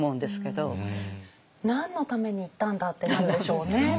何のために行ったんだってなるでしょうね。